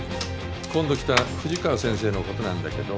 今度来た富士川先生の事なんだけど。